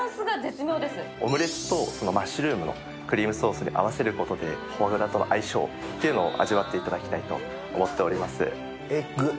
オムレツとマッシュルームのクリームソースで合わせることでフォアグラとの相性というのを味わっていただきたいと思っております。